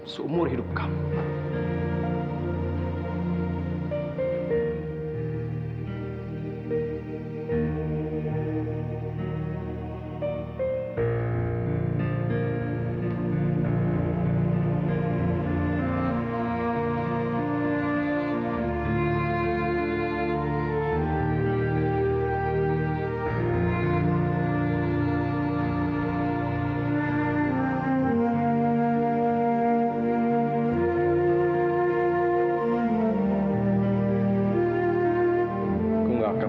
saya memang beruntung untuk rapat